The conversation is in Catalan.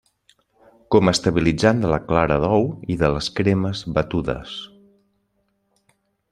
Com a estabilitzant de la clara d'ou i de les cremes batudes.